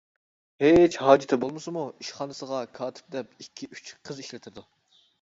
ھېچ ھاجىتى بولمىسىمۇ، ئىشخانىسىغا كاتىپ دەپ ئىككى-ئۈچ قىز ئىشلىتىدۇ.